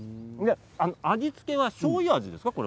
味付けはしょうゆ味ですね。